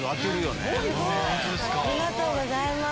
ありがとうございます。